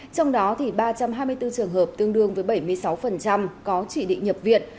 trong đó ba trăm hai mươi bốn trường hợp tương đương với bảy mươi sáu có chỉ định nhập viện